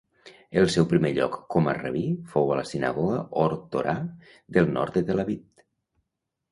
El seu primer lloc com a rabí fou a la sinagoga Ohr Torah del nord de Tel Aviv.